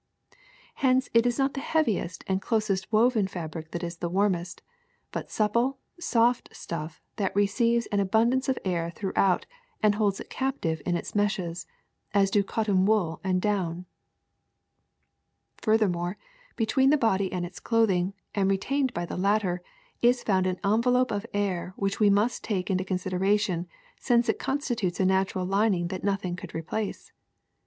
Hence it is not the heaviest and closest woven fabric that is the warmest, but supple, soft stuff that receives an abundance of air throughout and holds it captive in its meshes, as do cotton wool and do\\Ti. ^^Furthermore, between the body and its clothing, and retained by the latter, is found an envelop of air which we must take into consideration since it con stitutes a natural lining that nothing could replace.